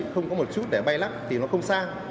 không có một chút để bay lắc thì nó không xa